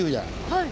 はい。